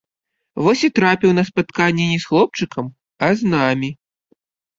Вось і трапіў на спатканне не з хлопчыкам, а з намі.